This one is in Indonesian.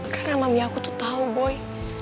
karena mami aku tuh tau boy